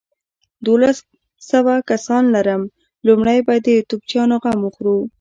دوولس سوه کسان لرم، لومړۍ به د توپچيانو غم وخورو.